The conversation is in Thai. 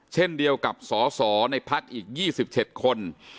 เช่นเดียวกับสอสอในพักอีกยี่สิบเฉ็ดคน